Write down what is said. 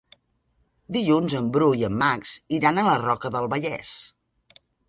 Dilluns en Bru i en Max iran a la Roca del Vallès.